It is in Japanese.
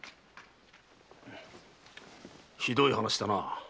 ひどい話だな。